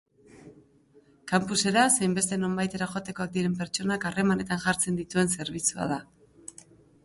Campusera zein beste nonbaitera joatekoak diren pertsonak harremanetan jartzen dituen zerbitzua da.